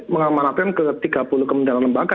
mengamanatkan ke tiga puluh kementerian lembaga